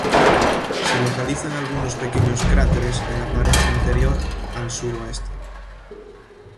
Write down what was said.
Se localizan algunos pequeños cráteres en la pared interior al suroeste.